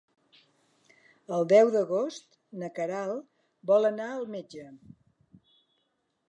El deu d'agost na Queralt vol anar al metge.